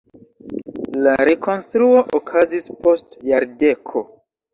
La rekonstruo okazis post jardeko.